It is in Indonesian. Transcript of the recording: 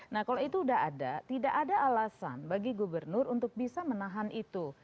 nah kalau itu sudah ada tidak ada alasan bagi gubernur untuk bisa menahan itu